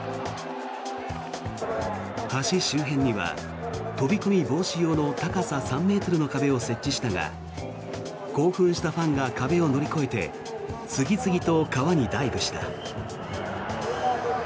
橋周辺には飛び込み防止用の高さ３ｍの壁を設置したが興奮したファンが壁を乗り越えて次々と川にダイブした。